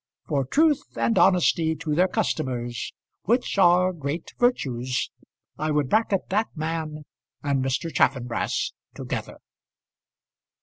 For truth and honesty to their customers which are great virtues I would bracket that man and Mr. Chaffanbrass together.